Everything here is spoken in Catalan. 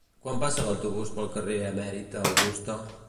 Quan passa l'autobús pel carrer Emèrita Augusta?